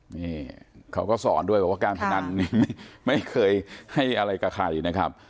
นี่เขาก็สอนด้วยบอกว่าการพนันนี้ไม่เคยให้อะไรกับใครนะครับ